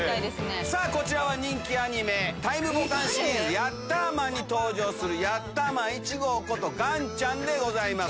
さぁこちらは人気アニメタイムボカンシリーズ『ヤッターマン』に登場するヤッターマン１号ことガンちゃんでございます。